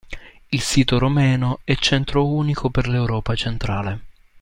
Il sito romeno è centro unico per l'Europa centrale.